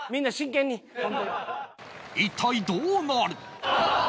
一体どうなる？